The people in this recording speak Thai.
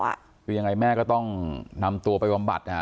คือยังไงแม่ก็ต้องนำตัวไปบำบัด